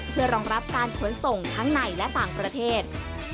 เพื่อรองรับการขนส่งทั้งในและต่างประเทศ